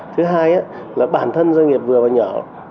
thứ hai là bản thân doanh nghiệp vừa và nhỏ